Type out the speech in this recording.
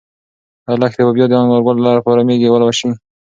ایا لښتې به بیا د انارګل لپاره مېږې ولوشي؟